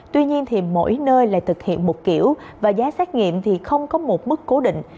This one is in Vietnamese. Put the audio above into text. tuy nhiên mỗi nơi lại thực hiện một kiểu và giá xét nghiệm không có một mức cố định